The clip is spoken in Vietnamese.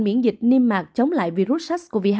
miễn dịch niêm mạc chống lại virus sars cov hai